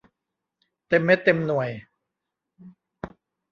เต็มเม็ดเต็มหน่วย